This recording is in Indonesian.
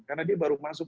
karena dia baru masuk